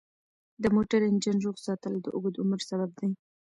د موټر انجن روغ ساتل د اوږد عمر سبب دی.